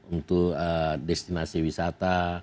untuk destinasi wisata